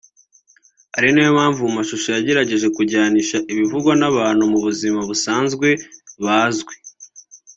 ari nayo mpamvu mu mashusho yagerageje kujyanisha ibivugwa n’abantu mu buzima busanzwe bazwi